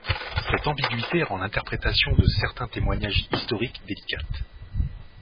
Cette ambiguïté rend l'interprétation de certains témoignages historiques délicate.